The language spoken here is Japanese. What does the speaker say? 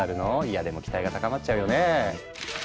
嫌でも期待が高まっちゃうよね。